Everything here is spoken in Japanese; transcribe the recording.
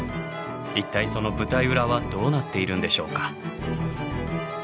一体その舞台裏はどうなっているんでしょうか？